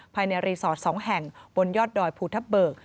ภายในรีสอร์ท๒แห่งบนยอดดอยภูทับเบิก